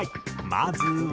まずは。